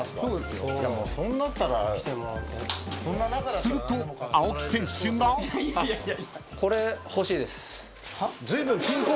［すると青木選手が］はっ？